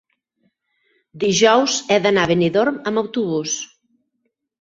Dijous he d'anar a Benidorm amb autobús.